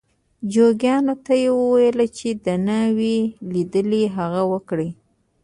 جوګیانو ته یې وویل چې ده نه وي لیدلي هغه وکړي.